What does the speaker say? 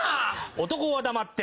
男は黙って。